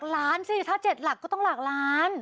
ถ้าเจ็ดหลักก็หลักล้าน